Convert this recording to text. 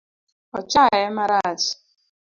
Ochaye marach